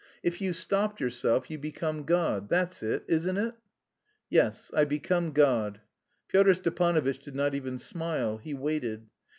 If you stopped yourself, you become God; that's it, isn't it?" "Yes, I become God." Pyotr Stepanovitch did not even smile; he waited.